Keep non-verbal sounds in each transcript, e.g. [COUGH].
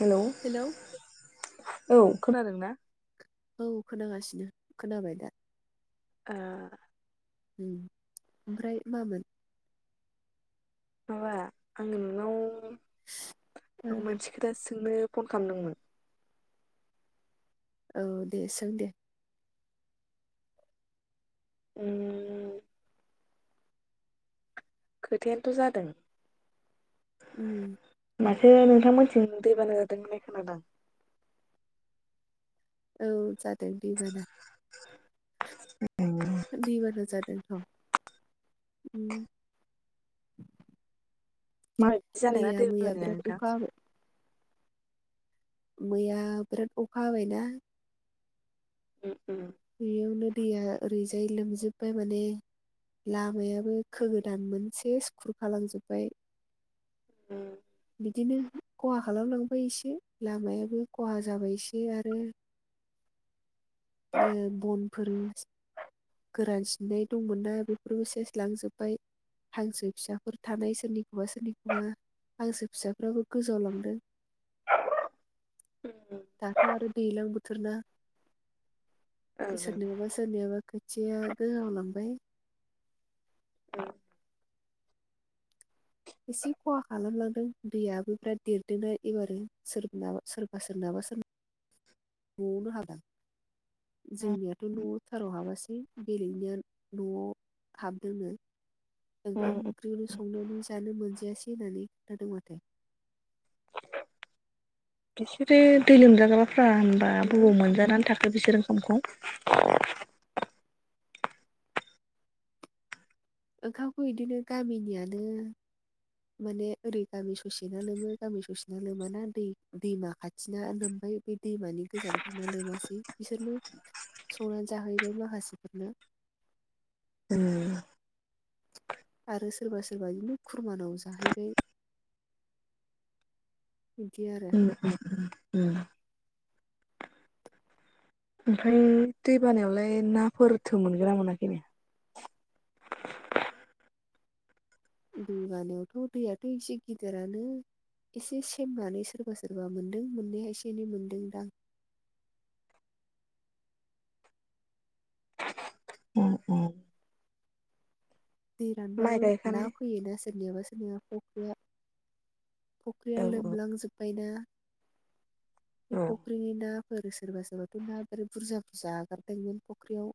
Hello, औ खोनादों ना? औ खोनागासिनो खोनाबाय दा? ओं ओम ओमफ्राय मामोन? माबा आं नोंनाव मोनसे खोथा सोंनो फन खामदोंमोन। औ दे सों दे उम खोथायानोथ' जादों उम माथो नोंथांमोनथिं दै बाना जादों होननाय खोनादों आं। औ जादों दैबाना। दैबाना जादोंथ' उम। माबायदि जानायबा दैया दै मैया बानाया बिराद नोंथां? अखा हाबाय मैया बिराद अखा हाबायना। उम उम बेयावनो दैया ओरैजाय लोमजोब्बाय माने। लामायाबो खो गोदान मोनसे [UNINTELLIGIBLE] खालामजोब्बाय। उम बिदिनो खहा खालामलांबाय इसे लामायाबो खहा जाबाय इसे आरो। उम बनफोर एसे गोरान सिननाय दंमोन ना बेफोरबो सेस लांजोबबाय। हांसो फिसाफोर थानाय सोरनिखौबा सोरनिखौबा हांसो फिसाफ्राबो गोजाव लांदों। दाथ' आरो दैज्लां बोथोरना। ओं सोरनिबा सोरनियाबा खोथिया गोजाव लांबाय। उम। एसे खहा खालामलांदों दैयाबो बिराद देरदोंना एबारो सोरनाबा सोरबा सोरनाबा। [UNINTELLIGIBLE] न'आवनो हादों ओं जोंनियाथ' न' सेराव हाबासै बेलेगनिया न'आव हाबदोंनो। ओंखाम ओं ओंख्रिलनो संनो रोंस दानि मोनजायासै होननानै खोन्थादों माथो। बिसोरो दै लोमजागाफ्रा होनबा हेल' बबाव मोनजानानै थाखो? बेसोरो ओंखाम खौ? ओंखामखौ इदिनो गामिनियानो माने ओरै गामि ससे ना लोमो गामि ससे ना लोमाना दै दैमा खाथिना लोम बाय ओमफ्राय बे दैमानि गोजानफोरना लोमासै बिसोरनो संनानै जाहैगोन माखासिफोरनो। उम आरो सोरबा सोरबा बिदिनो खुरमानाव जाहैबाय। बिदि आरो उम उम उम ओमफ्राय दै बानायावलाय नाफोर थो मोनगोना मोनाखै नो? दै बानायावथ' दैयाथ' एसे गिदिरानो एसे सेमनानै सोरबा सोरबा मोनदों मोननाया एसे एनै मोनदों दां उ उ दै रानबाबो ना गायखानाय फैयोना सोरनियाबा सोरनियाबा फख्रिया फुख्रिया औ औ लोमलांजोब्बायना। बे औ फख्रिनि ना फोर सोरबा सोरबाथ' मा बार बुरजा बुरजा आगारदोंमोन फख्रियाव।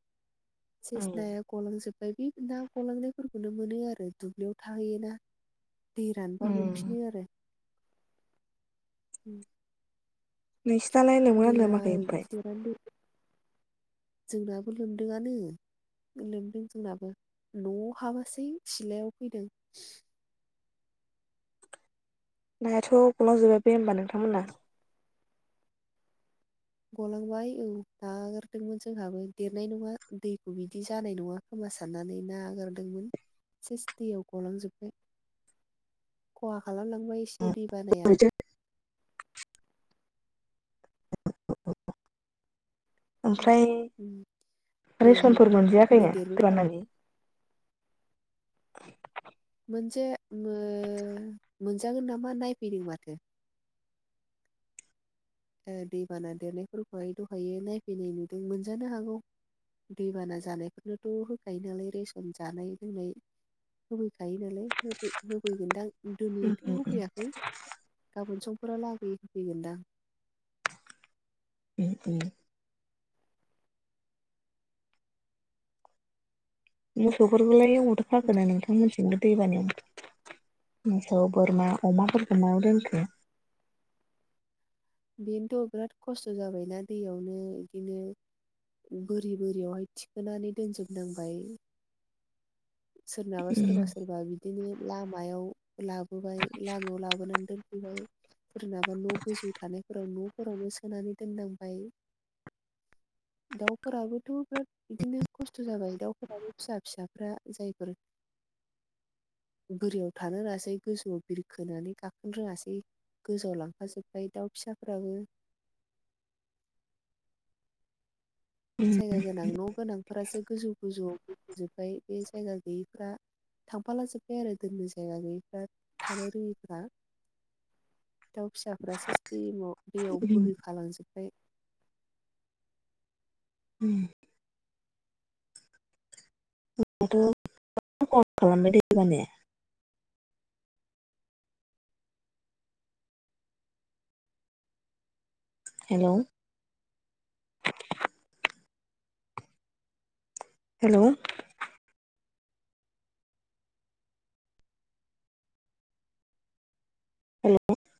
सेस नाया गलां जोबबाय बे ना गलांना फोरफोरखौनो मोनो आरो दुब्लियाव थाहैयोना दै उम रानबा मोनफिनो आरो। उ नोंसिनालाय लोमोना लोमाखै ओमफाय? गिदिरानो दै जोंनाबो लोमदोंआनो। लोमदों जोंनाबो न'आव हाबासै सिलायाव फैदों। नायाथ' गलांजोबबाय बे होमबा नोंथांमोनना? गलांबाय औ नागारदोंमोन जोंहाबो देरनाय नङा दैखौ बिदि जानाय नङा खोमा सानानै नाआगारदोंमोन सेस दैयाव गलांजोबबाय। खहा खालामलांबाय एसे दै बानाया ओरैजाय ओमफ्राय दैयानो रेसनफोर बिराद मोनजायाखैनो देरबाय थादों दैबानानि [UNINTELLIGIBLE] मोनसे मो मोनजागोन नामा नायफैदों माथो। ओ दैबाना देरनायफोरखौहाय दहायायो नायफैनाय नुदों मोनजानो हागौ। दैबाना जानायफोरनोथ' होखायो नालाय रेसन जानाय लोंनाय होफैखायो नालाय होफै होफैगोनदां उम दोनिथ' उम होफैयाखै गाबोन समफोरा लागैयै होफैगोनदां। ए ए मोसौफोरखौलाय अबावथो' खाखोनो नोंथांमोनसि दैबानियाव मोसौ बोरमा अमाफोरखौ मायाव दोनखो? [INAUDIBLE] बेनोथ' बिराद खस्थ' जाबायना दैयावनो बिदिनो बोरि बोरियावहाय थिखोनानै दोनजोबनांबाय। सोरनाबा सोरबा उम सोरबा बिदिनो लामायाव लाबोबाय लामायाव लाबोनानै दोनफैबाय। सोरनाबा न' गोजौ थानायफोराव न'फोरावबो सोनानै दोननांबाय। दाउफोराबोथ' बिराद बिदिनो खस्थ' जाबाय दाउफोराबो फिसा फिसाफ्रा जायफोर बोरियाव थानो रोङासै गोजौआव बिरखोनानै गाखोनो रोङासै गोजौआव लांफाजोब्बाय दाउ फिसाफोराबो [INAUDIBLE] उम जायगा गोनां न' गोनांफोरासो गोजौ गोजौआव फफजोबबाय बे जायगा गैयैफ्रा थांफाला जोब्बाय आरो दोननि जायगा गैयैफ्रा थानो रोङिफ्रा दाउ फिसाफ्रा सेसटमाव दैयाव उम बोहोखालांजोब्बाय उ होनबाथ' [UNINTELLIGIBLE] कल खालामबाय दबानाया हेलौ हेलौ हेल'